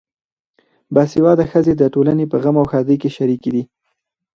باسواده ښځې د ټولنې په غم او ښادۍ کې شریکې دي.